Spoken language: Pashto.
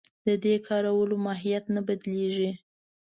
د دې کارونو ماهیت نه بدلېږي.